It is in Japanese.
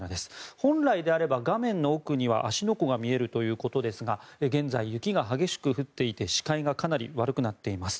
本来なら画面の奥には芦ノ湖が見えるということですが現在、雪が激しく降っていて視界がかなり悪くなっています。